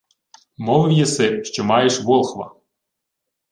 — Мовив єси, що маєш волхва.